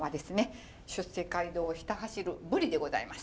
出世街道をひた走る「ぶり」でございます。